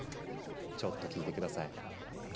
ちょっと聞いて下さい。